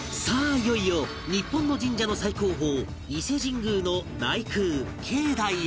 いよいよ日本の神社の最高峰伊勢神宮の内宮境内へ